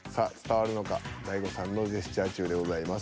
大悟さんのジェスチャー中でございます。